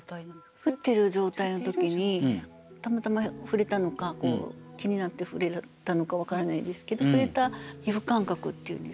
降っている状態の時にたまたま触れたのか気になって触れたのか分からないですけど触れた皮膚感覚っていうんですかね